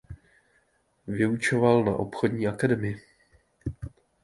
Vyučoval na obchodní akademii.